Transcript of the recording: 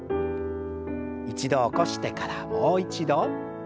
一度起こしてからもう一度。